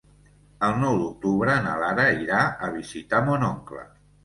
El nou d'octubre na Lara irà a visitar mon oncle.